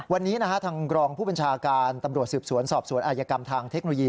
วันนี้ทางรองผู้บัญชาการตำรวจสืบสวนสอบสวนอายกรรมทางเทคโนโลยี